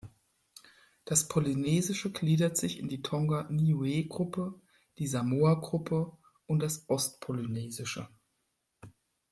Das Polynesische gliedert sich in die "Tonga-Niue-Gruppe", die "Samoa-Gruppe" und das "Ost-Polynesische".